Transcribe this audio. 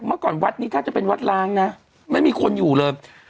เมื่อก่อนวัดนี้ถ้าจะเป็นวัดล้างนะไม่มีคนอยู่เลย